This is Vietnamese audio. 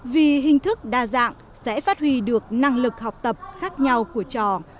vì hình thức đa dạng sẽ phát huy được năng lực học tập khác nhau của trò